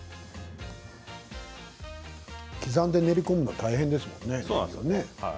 刻んで練り込むのは大変ですもんね。